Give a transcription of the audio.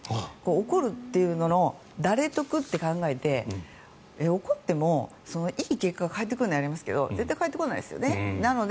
怒るというのの誰得って考えて怒っても、いい結果が返ってくるならやりますけど絶対返ってこないですよね。